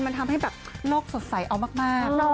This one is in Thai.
มันทำให้แบบโลกสดใสเอามาก